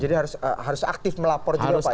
jadi harus aktif melapor juga pak ya